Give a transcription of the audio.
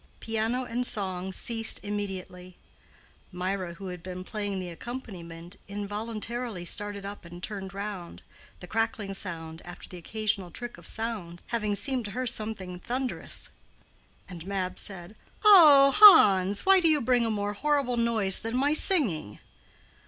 Piano and song ceased immediately; Mirah, who had been playing the accompaniment, involuntarily started up and turned round, the crackling sound, after the occasional trick of sounds, having seemed to her something thunderous; and Mab said, "O o o, Hans! why do you bring a more horrible noise than my singing?"